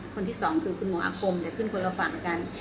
คนที่สองคือคุณหมออาโคมจะขึ้นคนเราฝั่งเหมือนกัน